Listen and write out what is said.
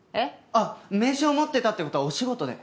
あっ名刺を持ってたって事はお仕事で？